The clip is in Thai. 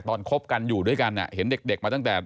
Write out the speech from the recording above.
คบกันอยู่ด้วยกันเห็นเด็กมาตั้งแต่